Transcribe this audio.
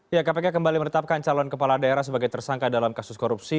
ya kpk kembali menetapkan calon kepala daerah sebagai tersangka dalam kasus korupsi